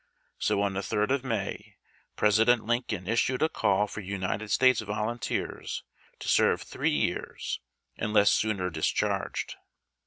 So on the 3d of May President Lin coln issued a call for United States volunteers to serve three years, unless sooner discharged.